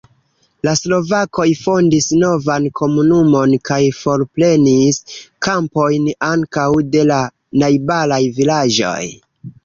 La slovakoj fondis novan komunumon kaj forprenis kampojn ankaŭ de la najbaraj vilaĝoj.